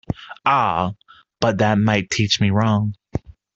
Aye, but they might teach me wrong!